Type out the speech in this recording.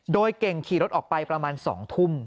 โดยเก่งขี่รถออกไปประมาณ๒ทุ่ม